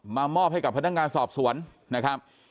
มอบให้กับพนักงานสอบสวนนะครับ